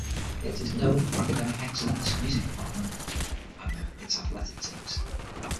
It is known for academic excellence, music department, and its athletic teams.